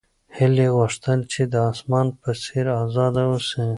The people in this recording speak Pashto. هیلې غوښتل چې د اسمان په څېر ازاده اوسي.